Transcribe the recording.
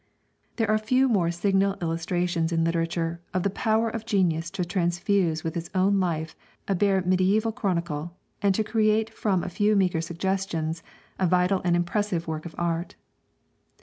There are few more signal illustrations in literature of the power of genius to transfuse with its own life a bare mediæval chronicle, and to create from a few meagre suggestions a vital and impressive work of art.